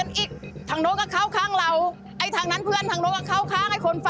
นี่ก็ดึงอยู่อย่างนี้หรือคะค่ะ